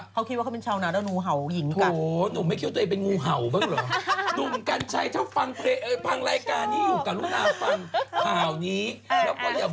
เขาคิดว่าเขาเป็นชาวนานแล้วงูเห่าหญิงถูก